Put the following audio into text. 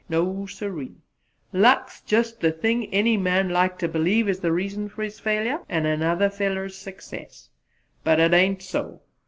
No, sirree, luck's just the thing any man's like ter believe is the reason for his failure and another feller's success. But it ain't so.